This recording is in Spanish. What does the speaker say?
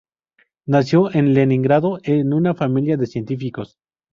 Nació en Leningrado en una familia de científicos.